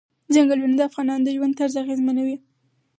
ځنګلونه د افغانانو د ژوند طرز اغېزمنوي.